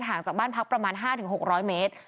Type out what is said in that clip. จากบ้านพักประมาณ๕๖๐๐เมตร